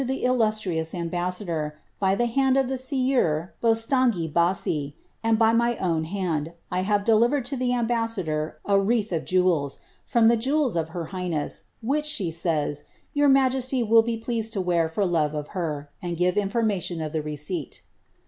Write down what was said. i' illustrious ambassador, by the hand of the sieur Boslangi Basi; and by my oun hand, I have delivered lo the ambassador a wreath of diamon<t!, from the jewels of her highness, which, she savs, your majesty will ^ pleased to wear for love of her, and give information of the receipt."